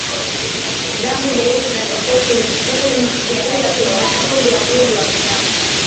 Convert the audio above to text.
Damu nyeusi na nyepesi huvuja kwenye matundu ya mwili wa mnyama